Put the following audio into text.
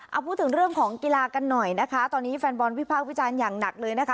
เอาพูดถึงเรื่องของกีฬากันหน่อยนะคะตอนนี้แฟนบอลวิพากษ์วิจารณ์อย่างหนักเลยนะคะ